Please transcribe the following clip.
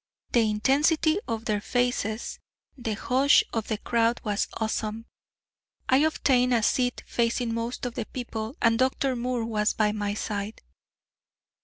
The intensity of their faces, the hush of the crowd, was awesome. I obtained a seat facing most of the people, and Dr. Moore was by my side.